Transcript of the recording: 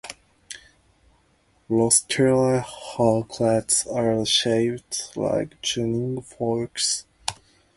Rostellar hooklets are shaped like tuning forks.